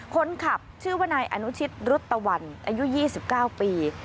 คนขับชื่อว่านายอนุชิตรุษตะวันอายุ๒๙ปี